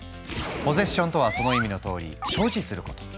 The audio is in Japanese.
ポゼッションとはその意味のとおり所持すること。